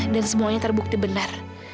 dan semuanya terbukti benar